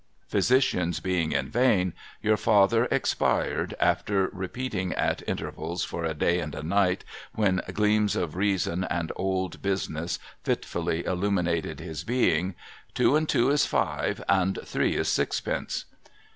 Physicians being in vain, your father expired, after repeating at intervals for a day and a night, when gleams of reason and old business fitfully illuminated his being, ' Two and two is five. And three is sixpence.'